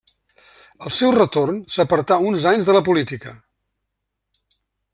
Al seu retorn, s'apartà uns anys de la política.